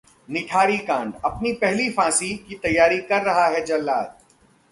निठारी कांड: अपनी पहली फांसी की तैयारी कर रहा है जल्लाद